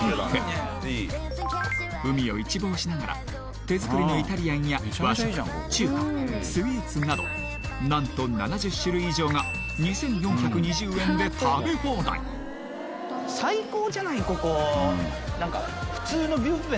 海を一望しながら手作りのイタリアンや和食中華スイーツなど何と７０種類以上が２４２０円で食べ放題感じがします